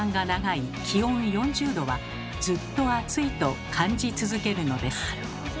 気温４０℃はずっと暑いと感じ続けるのです。